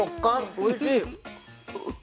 おいしい。